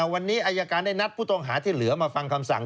วันนี้อายการได้นัดผู้ต้องหาที่เหลือมาฟังคำสั่ง